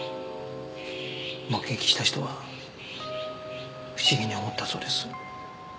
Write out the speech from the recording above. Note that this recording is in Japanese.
目撃した人は不思議に思ったそうです。